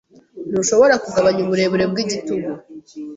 Ntushobora kugabanya uburebure bwigitugu?